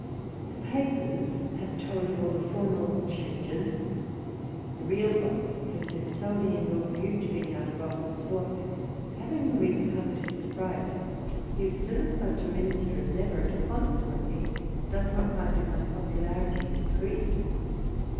The papers have told you all the formal changes ; the real one consists solely in Lord Bute being out of office, for, having recovered his fright, he is still as much Minister as ever, and consequently does not find his unp()|)ularity decrease.